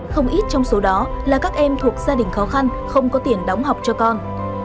không ít trong số đó là các em thuộc gia đình khó khăn không có tiền đóng học cho con